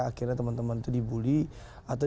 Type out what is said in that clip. akhirnya teman teman itu dibully atau